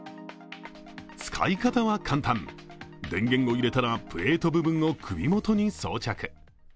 使い方は簡単、電源を入れたらプレート部分を首元に装着。